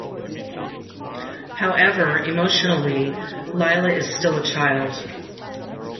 However, emotionally Leila is still a child.